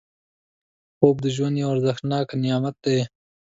خوب د ژوند یو ارزښتناک نعمت دی